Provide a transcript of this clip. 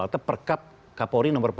atau perkab kapolri nomor empat belas